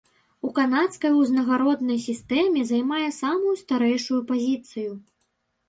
У канадскай узнагароднай сістэме займае самую старэйшую пазіцыю.